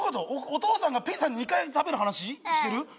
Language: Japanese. お父さんがピザ２回食べる話してる？